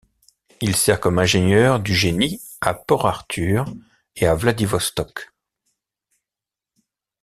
Il sert comme ingénieur du génie à Port-Arthur et à Vladivostok.